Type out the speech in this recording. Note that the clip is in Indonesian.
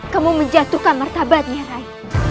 kamu menjatuhkan martabatnya rai